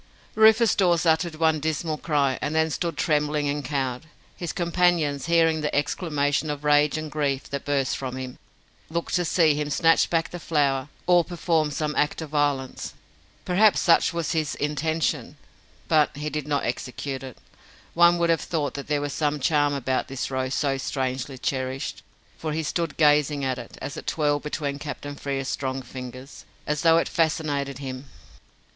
Rufus Dawes uttered one dismal cry, and then stood trembling and cowed. His companions, hearing the exclamation of rage and grief that burst from him, looked to see him snatch back the flower or perform some act of violence. Perhaps such was his intention, but he did not execute it. One would have thought that there was some charm about this rose so strangely cherished, for he stood gazing at it, as it twirled between Captain Frere's strong fingers, as though it fascinated him.